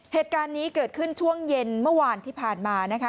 เหตุการณ์นี้เกิดขึ้นช่วงเย็นเมื่อวานที่ผ่านมานะคะ